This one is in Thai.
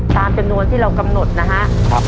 ตามจำนวนที่เรากำหนดนะฮะ